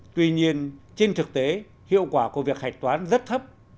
tuy nhiên trên thực tế hiệu quả của việc hạch toán rất thấp